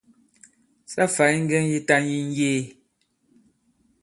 Sa fày ŋgɛŋ yitan yi ŋ̀yee.